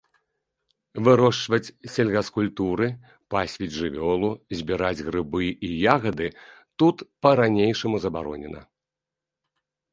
Вырошчваць сельгаскультуры, пасвіць жывёлу, збіраць грыбы і ягады тут па-ранейшаму забаронена.